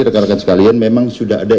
rekan rekan sekalian memang sudah ada